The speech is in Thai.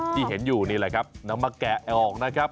ที่เห็นอยู่นี่แหละครับนำมาแกะออกนะครับ